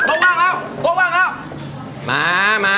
แบบเงินไวเงินไว๑๕๐๐บาท